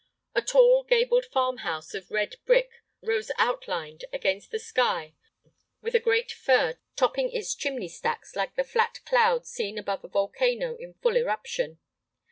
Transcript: A tall, gabled farm house of red brick rose outlined against the sky with a great fir topping its chimney stacks like the flat cloud seen above a volcano in full eruption.